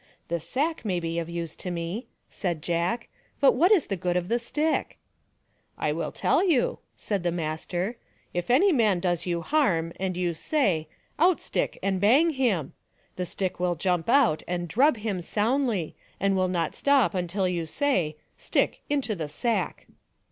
"The sack may be of use to me," said Jack, " but what is the good of the stick ?"" I will tell you/' said the master. " If any man does you harm, and you say, c Out stick, and bang him !' the stick will jump out and will drub him soundly and will not stop until you say, c Stick, into the sack